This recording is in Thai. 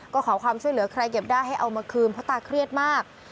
ก็ขอความช่วยเหลือใครเก็บได้ให้เอามาคืนเพราะตาเครียดมาก